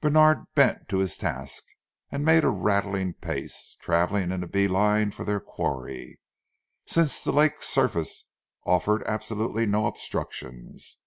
Bènard bent to his task and made a rattling pace, travelling in a bee line for their quarry, since the lake's surface offered absolutely no obstructions.